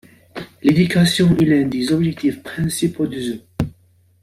L'éducation est l'un des objectifs principaux du zoo.